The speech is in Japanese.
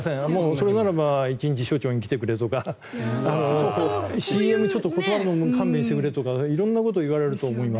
それならば一日署長に来てくれとかＣＭ、ちょっと断るのも勘弁してくれとか色んなことを言われると思います。